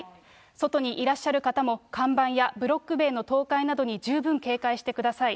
外にいらっしゃる方も、看板やブロック塀の倒壊などに十分警戒してください。